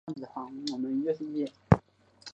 挚峻的第十二代孙。